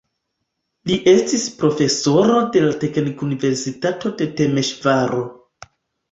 Li estis profesoro de la Teknikuniversitato de Temeŝvaro.